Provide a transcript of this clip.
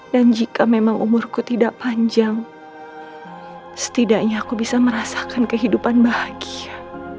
dan jika memang umurku tidak panjang setidaknya aku bisa merasakan kehidupan bahagia